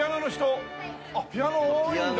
ピアノ多いんだ。